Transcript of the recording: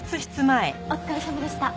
お疲れさまでした。